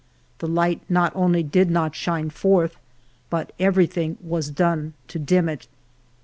The light not only did not shine forth, but everything was done to dim it.